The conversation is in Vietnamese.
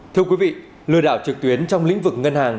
thưa quý vị lừa đảo trực tuyến trong lĩnh vực ngân hàng